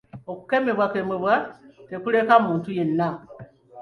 Okukemebwa tekuleka muntu yenna.